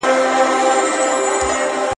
ځای بیرته تر لاسه کړي